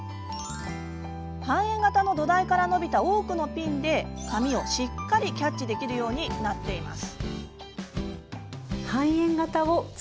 半円形の土台から伸びた多くのピンで、髪をしっかりキャッチできるようになっています。